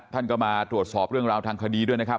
ท่านก็มาตรวจสอบเรื่องราวทางคดีด้วยนะครับ